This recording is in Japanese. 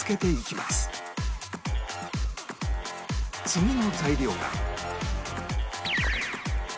次の材料が